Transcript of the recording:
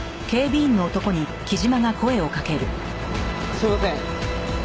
すみません。